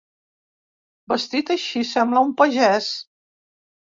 Vestit així, sembla un pagès.